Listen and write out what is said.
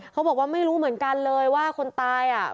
เขาบอกว่าไม่รู้เหมือนกันเลยว่าคนตายอ่ะ